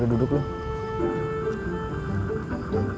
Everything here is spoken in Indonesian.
sudah semua selesai